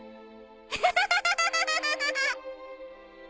アハハハ。